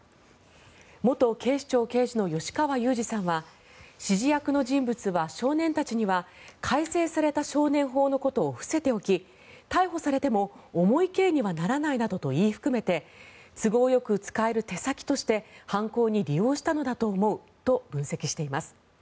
元警視庁刑事の吉川祐二さんは指示役の人物は、少年たちには改正された少年法のことを伏せておき逮捕されても重い刑にはならないなどと言い含めて都合よく使える手先として犯行に利用したのだと思うと分析しています。